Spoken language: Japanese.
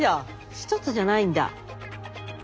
１つじゃないんだ。